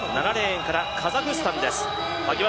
７レーンからカザフスタンです。